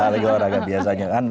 lagi olahraga biasanya kan